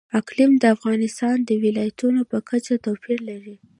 اقلیم د افغانستان د ولایاتو په کچه توپیر لري.